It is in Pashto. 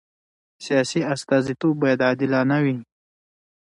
سیاسي استازیتوب باید عادلانه وي